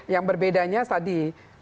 yang berbedanya tadi